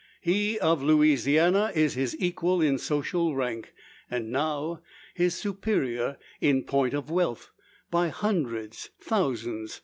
He of Louisiana is his equal in social rank, and now his superior in point of wealth, by hundreds, thousands.